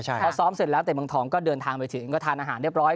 พอซ้อมเสร็จแล้วเตะเมืองทองก็เดินทางไปถึงก็ทานอาหารเรียบร้อย